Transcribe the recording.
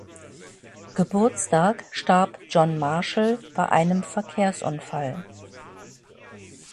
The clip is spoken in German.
Geburtstag starb John Marshall bei einem Verkehrsunfall.